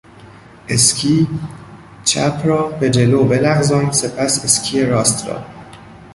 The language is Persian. اسکی چپ را به جلو بلغزان، سپس اسکی راست را.